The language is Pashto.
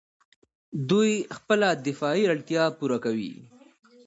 دوی خپله دفاعي اړتیا پوره کوي.